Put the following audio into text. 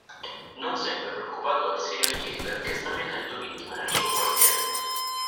Non sembra preoccupato dal serial killer che sta mietendo vittime nel suo quartiere.